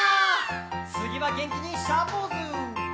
つぎはげんきにシャーポーズ！